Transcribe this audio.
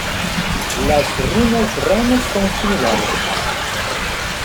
Las runas rama son similares.